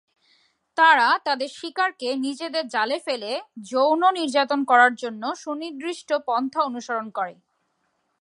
তারা তাদের শিকারকে নিজেদের জালে ফেলে যৌন নির্যাতন করার জন্য সুনির্দিষ্ট পন্থা অনুসরণ করে।